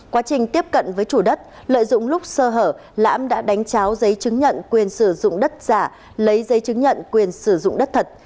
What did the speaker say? quá trình tiếp cận với chủ đất lợi dụng lúc sơ hở lãm đã đánh cháo giấy chứng nhận quyền sử dụng đất giả lấy giấy chứng nhận quyền sử dụng đất thật